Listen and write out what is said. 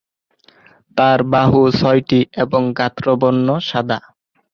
তার বাহু ছয়টি এবং গাত্রবর্ণ সাদা।